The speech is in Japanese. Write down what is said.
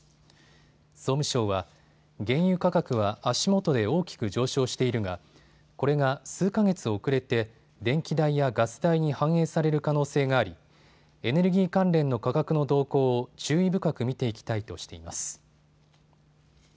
総務省は原油価格は足元で大きく上昇しているがこれが数か月遅れて電気代やガス代に反映される可能性がありエネルギー関連の価格の動向を注意深く見ていきたいとしています。